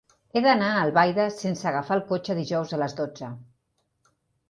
He d'anar a Albaida sense agafar el cotxe dijous a les dotze.